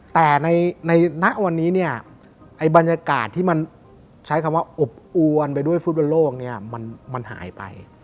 แต่ในวันนี้เนี่ยไอ้บรรยากาศที่มันใช้คำว่าอบอวนไปด้วยฟุตบอลโลกเนี่ยมันหายไป